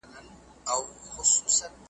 شپې مي په وعدو چي غولولې اوس یې نه لرم .